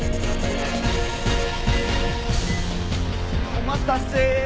お待たせ！